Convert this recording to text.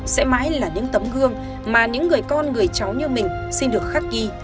sẽ mãi là những tấm gương mà những người con người cháu như mình xin được khắc ghi